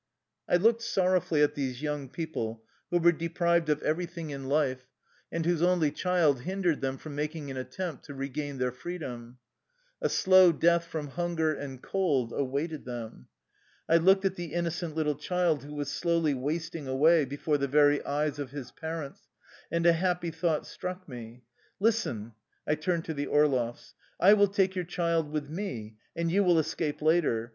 I looked sorrowfully at these young people who were deprived of everything in life and 116 THE LIFE STOKY OF A EUSSIAN EXILE whose only child hindered them from making an attempt to regain their freedom. A slow death from hunger and cold awaited them. I looked at the innocent little child who was slowly wasting away before the very eyes of his parents, and a happy thought struck me. "Listen/' I turned to the Orloffs. "I will take your child with me, and you will escape later.